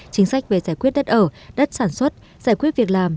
chính sách về giải quyết đất ở đất sản xuất giải quyết việc làm